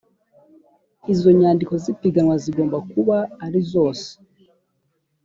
izo nyandiko z’ipiganwa zigomba kuba ari zose